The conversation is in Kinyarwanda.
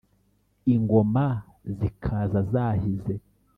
ingoma zikaza zahize,